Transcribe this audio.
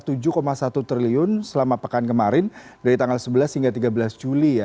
rp tujuh satu triliun selama pekan kemarin dari tanggal sebelas hingga tiga belas juli ya